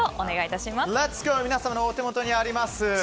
皆様のお手元にあります